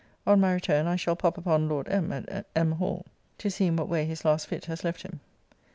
On my return I shall pop upon Lord M. at M. Hall, to see in what way his last fit has left him.